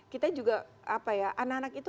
kita juga apa ya anak anak itu